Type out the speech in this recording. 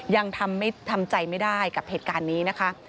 ยังทำใจไม่ได้กับเหตุการณ์นี้นะคะ